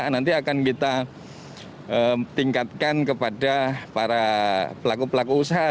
nanti akan kita tingkatkan kepada para pelaku pelaku usaha